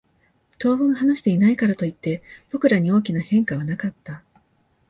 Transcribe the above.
当分話していないからといって、僕らに大きな変化はなかった。